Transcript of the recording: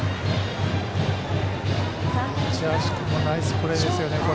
市橋君もナイスプレーですよね。